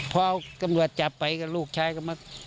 พอตำรวจจับไปก็ลูกชายก็มา